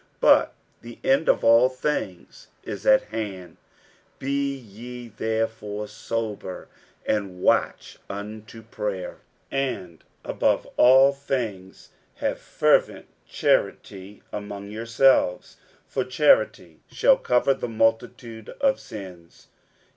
60:004:007 But the end of all things is at hand: be ye therefore sober, and watch unto prayer. 60:004:008 And above all things have fervent charity among yourselves: for charity shall cover the multitude of sins.